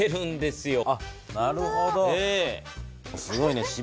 すごいね。